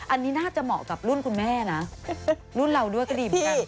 อันนี้น่าจะเหมาะกับรุ่นคุณแม่นะรุ่นเราด้วยก็ดีเหมือนกัน